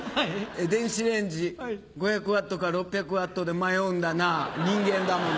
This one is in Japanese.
「電子レンジ５００Ｗか６００Ｗで迷うんだなぁにんげんだもの」。